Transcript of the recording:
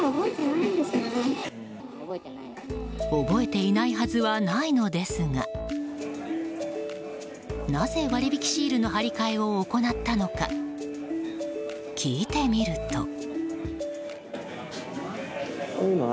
覚えていないはずはないのですがなぜ割引シールの貼り替えを行ったのか聞いてみると。